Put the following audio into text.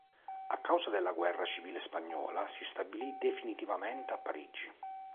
A causa della guerra civile spagnola, si stabilì definitivamente a Parigi.